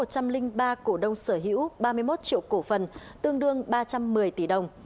trong năm hai nghìn ba cổ đông sở hữu ba mươi một triệu cổ phần tương đương ba trăm một mươi tỷ đồng